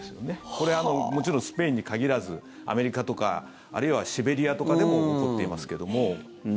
これ、もちろんスペインに限らずアメリカとかあるいはシベリアとかでも起こっていますけども。